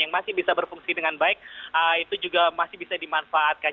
yang masih bisa berfungsi dengan baik itu juga masih bisa dimanfaatkan